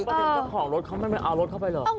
ประสิทธิ์เจ้าของรถเข้าไม่เอารถเข้าไปเหรอ